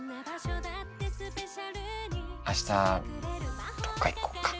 明日どっか行こっか。